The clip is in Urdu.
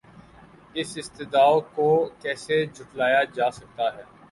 اس استدعاکو کیسے جھٹلایا جاسکتاہے؟